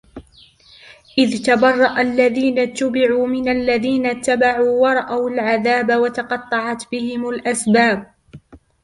إِذْ تَبَرَّأَ الَّذِينَ اتُّبِعُوا مِنَ الَّذِينَ اتَّبَعُوا وَرَأَوُا الْعَذَابَ وَتَقَطَّعَتْ بِهِمُ الْأَسْبَابُ